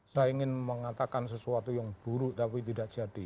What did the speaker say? saya ingin mengatakan sesuatu yang buruk tapi tidak jadi